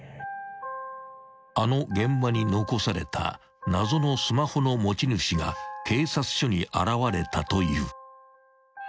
［あの現場に残された謎のスマホの持ち主が警察署に現れたという］